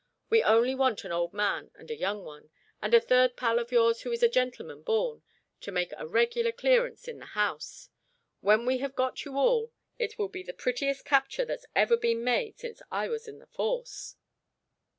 We only want an old man and a young one, and a third pal of yours who is a gentleman born, to make a regular clearance in the house. When we have once got you all, it will be the prettiest capture that's ever been made since I was in the force."